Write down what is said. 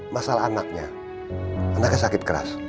masalah anaknya anaknya sakit keras